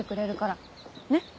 ねっ。